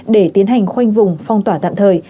để tiến hành khoanh vùng phong tỏa tạm thời